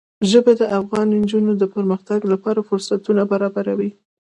ژبې د افغان نجونو د پرمختګ لپاره فرصتونه برابروي.